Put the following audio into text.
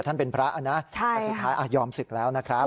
ท่านเป็นพระนะแต่สุดท้ายยอมศึกแล้วนะครับ